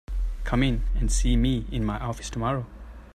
Come in and see me in my office tomorrow.